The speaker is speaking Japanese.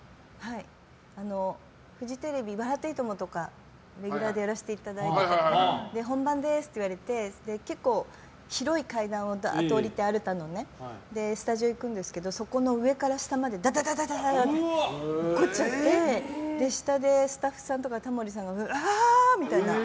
フジテレビで「笑っていいとも！」とかレギュラーでやらせていただいてて本番ですって言われてアルタの広い階段を下りてスタジオに行くんですけどそこの上から下までダダダダッて落っこちちゃって下でスタッフさんやタモリさんがうわー！みたいな。